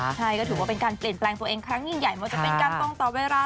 ใช่ก็ถือว่าเป็นการเปลี่ยนแปลงตัวเองครั้งยิ่งใหญ่ไม่ว่าจะเป็นการตรงต่อเวลา